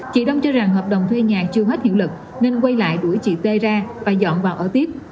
chị đông cho rằng hợp đồng thuê nhà chưa hết hiệu lực nên quay lại đuổi chị t ra và dọn vào ở tiếp